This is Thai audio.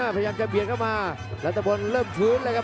พยายามจะเบียดเข้ามารัฐพลเริ่มฟื้นเลยครับ